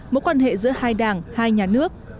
mối quan hệ giữa hai đảng hai nhà nước